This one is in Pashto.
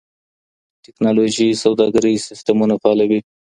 ټکنالوژي سوداګرۍ سيستمونه فعالوي.